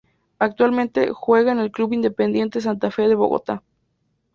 Actualmente juega en el club Independiente Santa Fe de Bogotá.